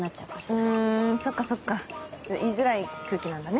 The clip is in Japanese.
うんそっかそっか言いづらい空気なんだね。